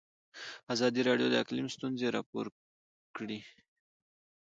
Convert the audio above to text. ازادي راډیو د اقلیم ستونزې راپور کړي.